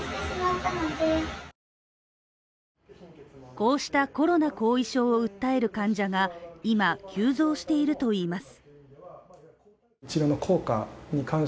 こうしたコロナ後遺症を訴える患者が今、急増しているといいます。